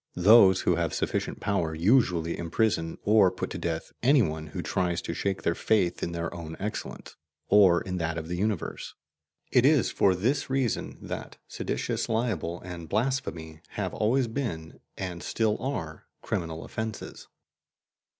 Those who have sufficient power usually imprison or put to death any one who tries to shake their faith in their own excellence or in that of the universe; it is for this reason that seditious libel and blasphemy have always been, and still are, criminal offences.